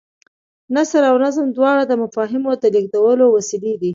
نثر او نظم دواړه د مفاهیمو د لېږدولو وسیلې دي.